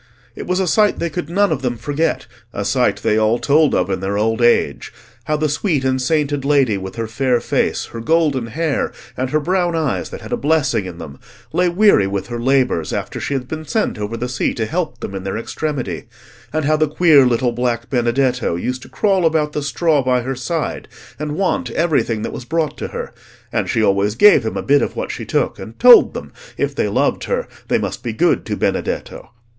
It was a sight they could none of them forget, a sight they all told of in their old age—how the sweet and sainted lady with her fair face, her golden hair, and her brown eyes that had a blessing in them, lay weary with her labours after she had been sent over the sea to help them in their extremity, and how the queer little black Benedetto used to crawl about the straw by her side and want everything that was brought to her, and she always gave him a bit of what she took, and told them if they loved her they must be good to Benedetto.